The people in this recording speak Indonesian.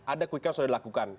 ada quickness sudah dilakukan